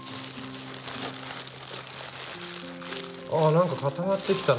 あなんか固まってきたな。